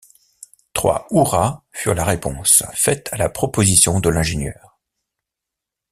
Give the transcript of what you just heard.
Trois hurrahs furent la réponse faite à la proposition de l’ingénieur.